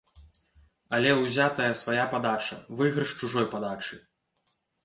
Але ўзятая свая падача, выйгрыш чужой падачы.